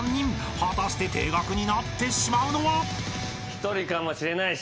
［果たして停学になってしまうのは？］